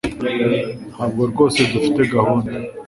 Ntabwo rwose dufite gahunda